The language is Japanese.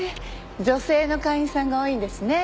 女性の会員さんが多いんですね。